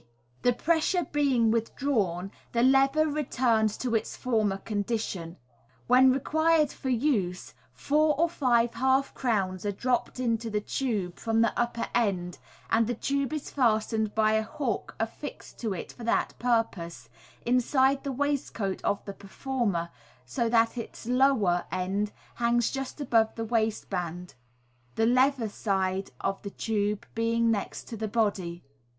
The pressure being withdrawn, the lever returns to its former condition. When required for use, four or five half crowns are dropped into the tube from the upper end, and the tube is fas tened, by a hook affixed to it for that purpose, inside the waistcoat of the performer, so that its lower end hangs just above the waistband, tne lever side of the tube being next the body.